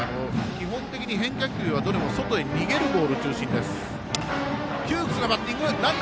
基本的に変化球は、どれも外に逃げるボール中心です。